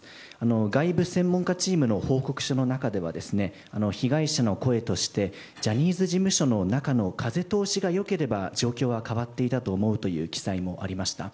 外部専門家チームの報告書の中では被害者の声としてジャニーズ事務所の中の風通しが良ければ状況は変わっていたと思うという記載もありました。